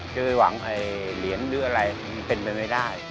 จะไปหวังเหรียญหรืออะไรมันเป็นไปไม่ได้